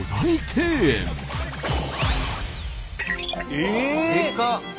ええ！でかっ！